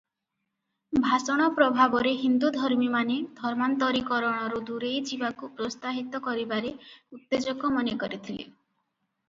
ଭାଷଣ ପ୍ରଭାବରେ ହିନ୍ଦୁ ଧର୍ମୀମାନେ ଧର୍ମାନ୍ତରୀକରଣରୁ ଦୂରେଇ ଯିବାକୁ ପ୍ରୋତ୍ସାହିତ କରିବାରେ ଉତ୍ତେଜକ ମନେକରିଥିଲେ ।